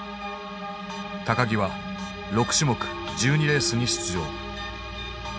木は６種目１２レースに出場。